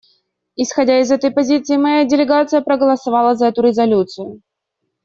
Исходя из этой позиции, моя делегация проголосовала за эту резолюцию.